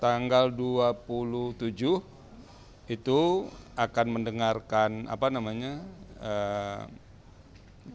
tanggal dua puluh tujuh itu akan mendengarkan permohonan pagi sampai siang